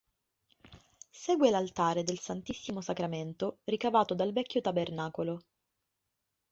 Segue l'altare del Santissimo Sacramento ricavato dal vecchio tabernacolo.